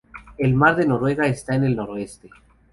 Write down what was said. El Mar de Noruega está en el noroeste.